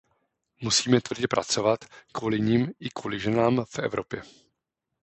Musíme tvrdě pracovat, kvůli nim i kvůli ženám v Evropě.